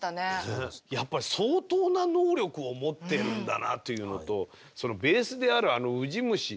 やっぱり相当な能力を持ってるんだなというのとベースであるあのウジ虫。